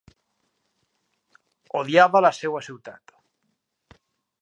Odiava la seua ciutat.